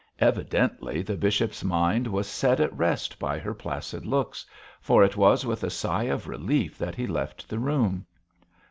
Evidently the bishop's mind was set at rest by her placid looks, for it was with a sigh of relief that he left the room.